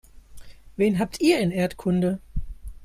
Wen habt ihr in Erdkunde?